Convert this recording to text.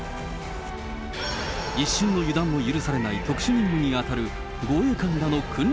一瞬の油断も許されない特殊任務に当たる護衛官らの訓練